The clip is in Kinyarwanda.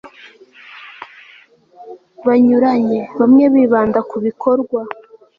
banyuranye bamwe bibanda ku bikorwa